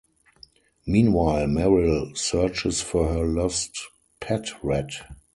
Meanwhile, Merrill searches for her lost pet rat.